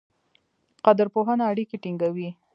قدرپوهنه اړیکې ټینګوي.